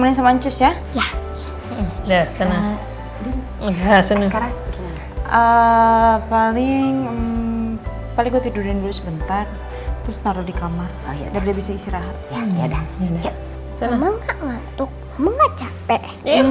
assalamualaikum warahmatullahi wabarakatuh